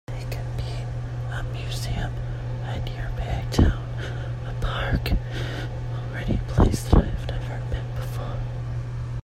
They can be a museum, a nearby town, a park, or any place that I have never been before.